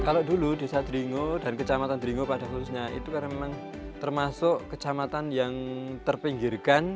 kalau dulu desa dringo dan kecamatan dringo pada khususnya itu karena memang termasuk kecamatan yang terpinggirkan